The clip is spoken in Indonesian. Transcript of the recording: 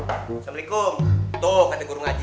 assalamualaikum tuh kata guru ngaji